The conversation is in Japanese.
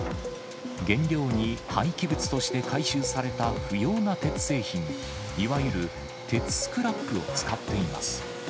原料に廃棄物として回収された不要な鉄製品、いわゆる鉄スクラップを使っています。